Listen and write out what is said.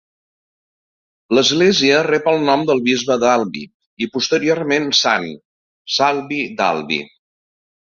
L'església rep el nom del bisbe d'Albi, i posteriorment sant, Salvi d'Albi.